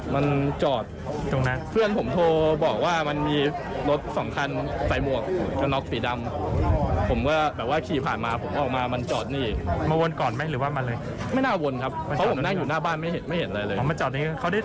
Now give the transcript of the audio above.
ว่าเป็นแบบฝั่งคุ้มสุมที่คน